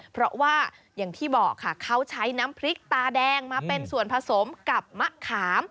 เพราะว่าอย่างที่บอกค่ะเขาใช้น้ำพริกตาแดงมาเป็นส่วนผสมกับมะขาม